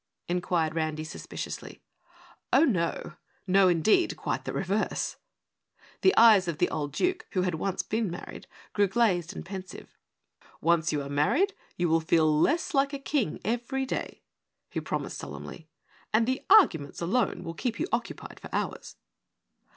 inquired Randy suspiciously. "Oh, no. No, indeed, quite the reverse." The eyes of the old Duke, who had once been married, grew glazed and pensive. "Once you are married, you will feel less like a King every day," he promised solemnly. "And the arguments alone will keep you occupied for hours."